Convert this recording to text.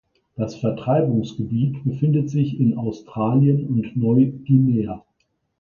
Das Verbreitungsgebiet befindet sich in Australien und Neuguinea.